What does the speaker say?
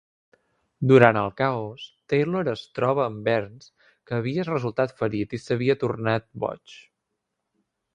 Durant el caos, Taylor es troba amb Barnes, que havia resultat ferit i s'havia tornat boig.